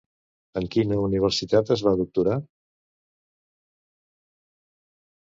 En quina universitat es va doctorar?